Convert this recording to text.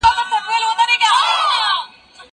زه به ځواب ليکلی وي!؟